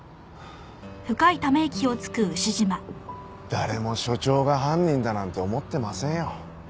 誰も署長が犯人だなんて思ってませんよ。